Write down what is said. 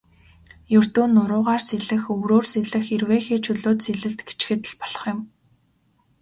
Ердөө нуруугаар сэлэх, өврөөр сэлэх, эрвээхэй, чөлөөт сэлэлт гэчихэд л болох юм.